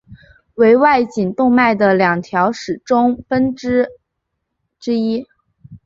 为外颈动脉的两条终末分支之一。